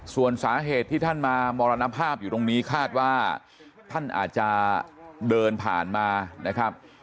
ส่วนสาเหตุที่ท่านมามรณภาพอยู่ตรงนี้คาดว่าท่านอาจจะเดินผ่านมานะครับ